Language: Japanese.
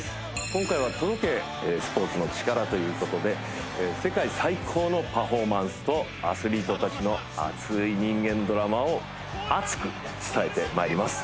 今回は「届け、スポーツのチカラ。」ということで世界最高のパフォーマンスとアスリートたちの熱い人間ドラマを熱く伝えてまいります